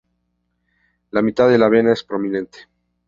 La mitad de la vena es prominente.